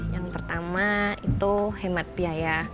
yang pertama itu hemat biaya